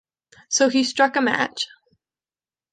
So he struck a match.